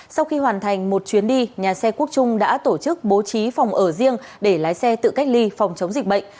sau khi hoàn thành một chuyến đi nhà xe quốc trung đã tổ chức bố trí phòng ở riêng để lái xe tự cách ly phòng chống dịch bệnh